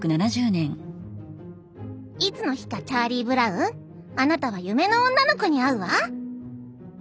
「いつの日かチャーリー・ブラウンあなたは夢の女の子に会うわ」。